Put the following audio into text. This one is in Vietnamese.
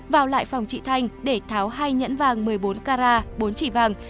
vào lại phòng chị thanh để tháo hai nhẫn vàng một mươi bốn carat bốn chỉ vàng